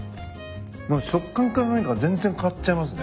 もう食感から何から全然変わっちゃいますね。